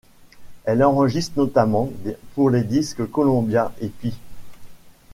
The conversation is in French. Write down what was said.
Elle enregistre notamment pour les disques Columbia et Pye.